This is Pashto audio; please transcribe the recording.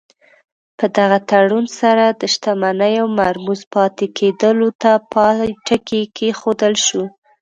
په دغه تړون سره د شتمنیو مرموز پاتې کېدلو ته پای ټکی کېښودل شو.